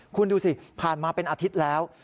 คุณดูสิผ่านมาเป็นอาทิตย์แล้ว